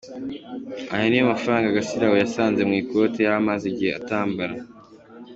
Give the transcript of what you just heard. Aya niyo mafaranga Gasirabo yasanze mu ikote yari amaze igihe atambara.